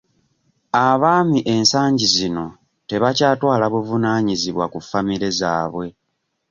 Abaami ensangi zino tebakyatwala buvunaanyizibwa ku famire zaabwe.